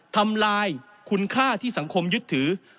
ทำลายคุณค่าที่สังคมยึดถือ